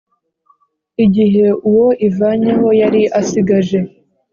Igihe Uwo Ivanyeho Yari Asigaje